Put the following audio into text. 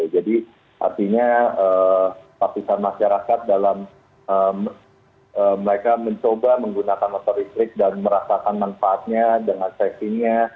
jadi artinya aktifan masyarakat dalam mereka mencoba menggunakan motor listrik dan merasakan manfaatnya dengan seksinya